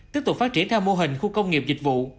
tiếp tục phát triển theo mô hình khu công nghiệp dịch vụ